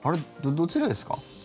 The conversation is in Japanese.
どちらですか？